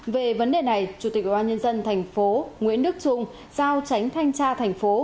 về vấn đề này chủ tịch ubnd tp nguyễn đức trung giao tránh thanh tra thành phố